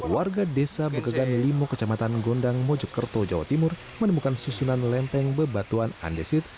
warga desa begegan limo kecamatan gondang mojokerto jawa timur menemukan susunan lempeng bebatuan andesit